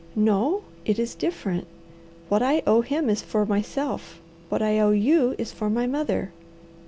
"No! It is different. What I owe him is for myself. What I owe you is for my mother.